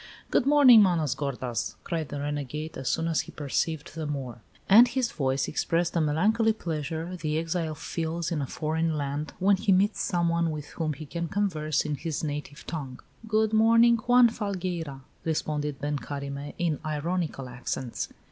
"Good morning, Manos gordas!" cried the renegade, as soon as he perceived the Moor. And his voice expressed the melancholy pleasure the exile feels in a foreign land when he meets some one with whom he can converse in his native tongue. "Good morning, Juan Falgueira!" responded Ben Carime, in ironical accents.